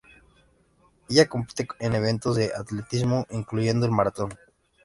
Ella compite en eventos de atletismo, incluyendo el maratón.